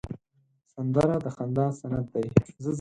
سندره د خندا سند دی